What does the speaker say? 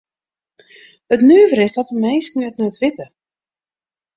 It nuvere is dat de minsken it net witte.